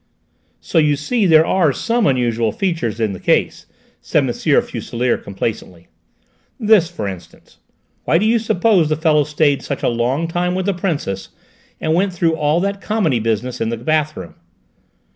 "So you see there are some unusual features in the case," said M. Fuselier complacently: "this, for instance: why do you suppose the fellow stayed such a long time with the Princess and went through all that comedy business in the bathroom?